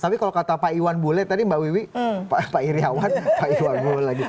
tapi kalau kata pak iwan bule tadi mbak wiwi pak iryawan pak iwanul lagi